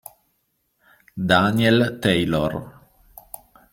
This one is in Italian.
Daniel Taylor